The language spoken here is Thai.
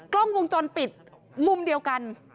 กล้องวงจรปิดมุมเดียวกัน